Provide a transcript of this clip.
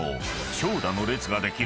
長蛇の列ができる